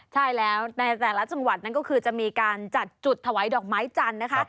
ใช่แล้วในแต่ละจังหวัดนั่นก็คือจะมีการจัดจุดถวายดอกไม้จันทร์นะคะ